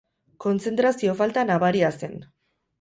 Kontzentrazio falta nabaria zen.